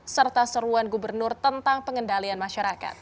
serta seruan gubernur tentang pengendalian masyarakat